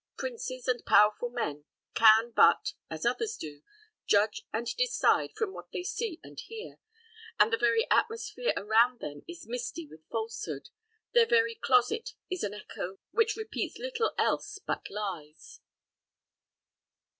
Princes and powerful men can but, as others do, judge and decide from what they see and hear, and the very atmosphere around them is misty with falsehood, their very closet is an echo which repeats little else but lies.